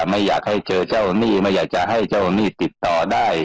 ไม่อยากให้เจอเจ้าหนี้ไม่อยากจะให้เจ้าหนี้ติดต่อได้